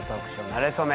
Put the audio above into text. なれそめ」